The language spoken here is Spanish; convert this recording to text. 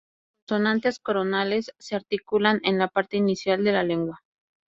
Las consonantes coronales se articulan en la parte inicial de la lengua.